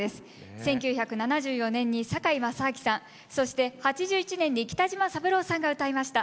１９７４年に堺正章さんそして８１年に北島三郎さんが歌いました。